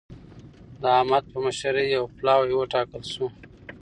د احمد په مشرۍ يو پلاوی وټاکل شو.